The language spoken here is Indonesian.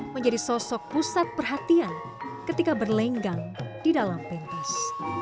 menjadi sosok pusat perhatian ketika berlenggang di dalam pentas